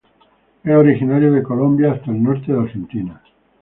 Es originario de Colombia hasta el norte de Argentina.